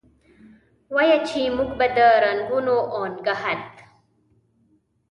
وایه! چې موږ به د رنګونو اونګهت،